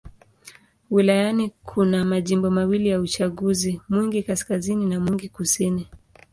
Wilayani kuna majimbo mawili ya uchaguzi: Mwingi Kaskazini na Mwingi Kusini.